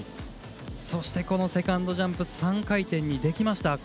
そしてセカンドジャンプ３回転にできました。